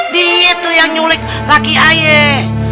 dia tuh yang nyulik kaki ayah